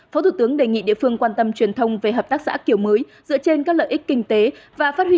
phó thủ tướng đề nghị địa phương quan tâm truyền thông về hợp tác xã kiểu mới dựa trên các lợi ích kinh tế và phát huy hơn nữa vai trò của các xã hội